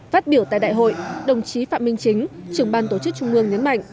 phát biểu tại đại hội đồng chí phạm minh chính trưởng ban tổ chức trung mương nhấn mạnh